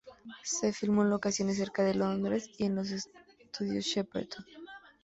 Se filmó en locaciones cerca de Londres y en los Estudios Shepperton.